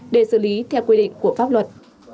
để xử lý theo quy định của pháp luật